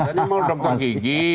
mereka katanya mau dokter gigi